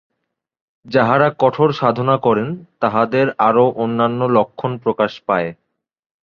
যাঁহারা কঠোর সাধনা করেন, তাঁহাদের আরও অন্যান্য লক্ষণ প্রকাশ পায়।